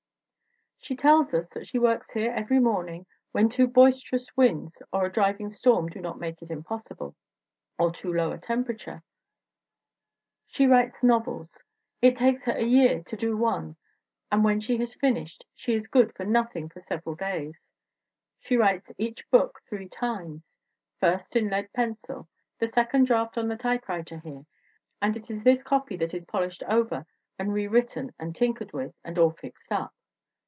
She tells us that she works here every morning when too boisterous winds or a driving storm do not make it impossible; or too low a temperature. She writes novels. It takes her a year to do one and when she has finished she is good for nothing for several days. She writes each book three times; first in lead pencil, the second draft on the typewriter here, "and it is this copy that is polished over and re written and tinkered with and all fixed up."